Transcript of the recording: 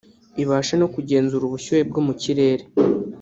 ibashe no kugenzura ubushyuhe bwo mu kirere